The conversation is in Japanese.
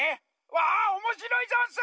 わあおもしろいざんす！